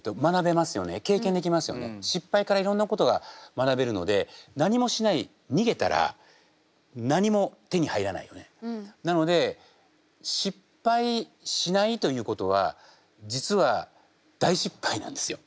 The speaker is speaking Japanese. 失敗からいろんなことが学べるので何もしないなので失敗しないということは実は大失敗なんですよ。